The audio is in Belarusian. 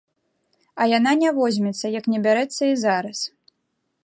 А яна не возьмецца, як не бярэцца і зараз.